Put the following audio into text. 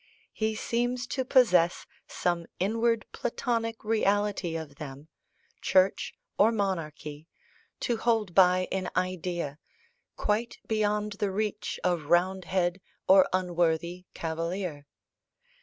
He seems to possess some inward Platonic reality of them church or monarchy to hold by in idea, quite beyond the reach of Roundhead or unworthy Cavalier.